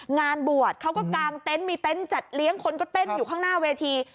งานบวชเขาก็กางเต็นต์มีเต็นต์จัดเลี้ยงคนก็เต้นอยู่ข้างหน้าเวที